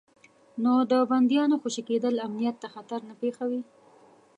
نو د بندیانو خوشي کېدل امنیت ته خطر نه پېښوي.